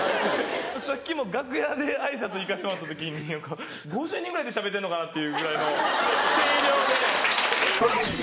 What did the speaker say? さっきも楽屋で挨拶行かせてもらった時に５０人ぐらいでしゃべってんのかなっていうぐらいの声量で。